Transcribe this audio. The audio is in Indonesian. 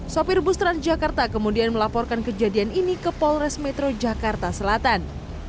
sopir bus transjakarta kemudian melaporkan kejadian ini ke polres metro jakarta selatan